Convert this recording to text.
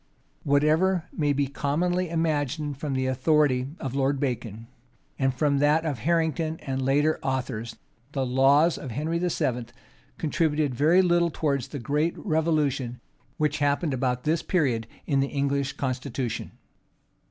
Whatever may be commonly imagined, from the authority of Lord Bacon, and from that of Harrington, and later authors the laws of Henry VII. contributed very little towards the great revolution which happened about this period in the English constitution.